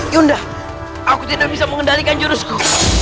yunda aku tidak bisa mengendalikan jurusku